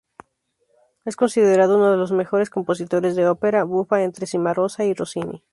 Es considerado uno de los mejores compositores de ópera bufa entre Cimarosa y Rossini.